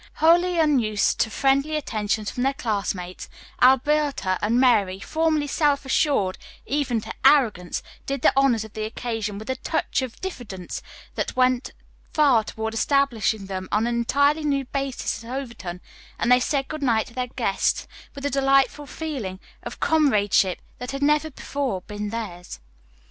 Wholly unused to friendly attentions from their classmates, Alberta and Mary, formerly self assured even to arrogance, did the honors of the occasion with a touch of diffidence that went far toward establishing them on an entirely new basis at Overton, and they said good night to their guests with a delightful feeling of comradeship that had never before been theirs.